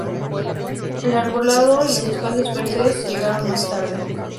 El arbolado y los espacios verdes llegaron más tarde.